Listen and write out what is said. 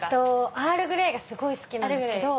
アールグレイがすごい好きです。